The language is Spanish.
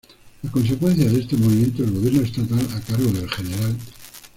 A consecuencia de este movimiento, el gobierno estatal, a cargo del Gral.